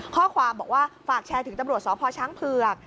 ข้อความบอกว่าฝากแชร์ถึงตำรวจสพช้างเผือก